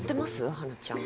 花ちゃん。